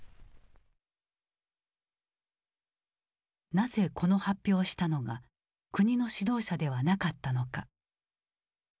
なぜこの発表をしたのが国の指導者ではなかったのか。